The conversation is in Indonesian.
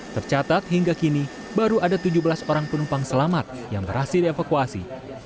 tercatat hingga kini baru ada tujuh belas orang penumpang selamat yang berhasil dievakuasi